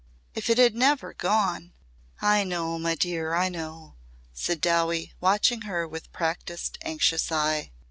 If it had never gone !" "I know, my dear, I know," said Dowie watching her with practised, anxious eye.